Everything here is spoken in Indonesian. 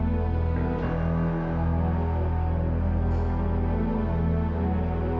jangan fishahat mungkin komen ada itu semalningen